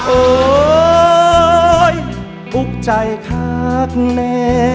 โอ๊ยอุ๊กใจคากแน่